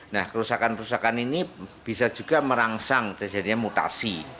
nah kerusakan kerusakan ini bisa juga merangsang terjadinya mutasi